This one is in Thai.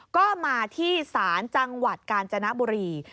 ก็มาที่ศาลจังหวัดกาญจนบุรี